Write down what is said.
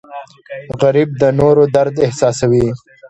غریب د نورو درد احساسوي